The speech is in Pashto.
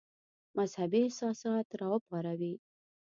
مذهبي احساسات را وپاروي.